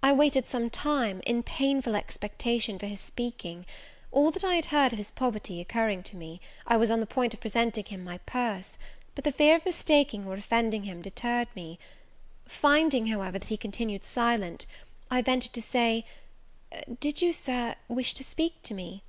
I waited some time, in painful expectation, for his speaking: all that I had heard of his poverty occurring to me, I was upon the point of presenting him my purse; but the fear of mistaking or offending him deterred me. Finding, however, that he continued silent, I ventured to say, "Did you, Sir, wish to speak to me?"